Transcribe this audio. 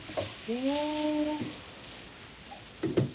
へえ。